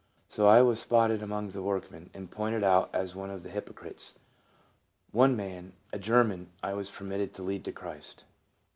So I was spotted among the workmen, and pointed out as one of the " hypocrites." One man, a German, I was permitted to lead to Christ.